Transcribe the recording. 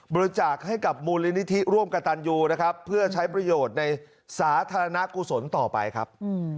บริจาคให้กับมูลนิธิร่วมกับตันยูนะครับเพื่อใช้ประโยชน์ในสาธารณกุศลต่อไปครับ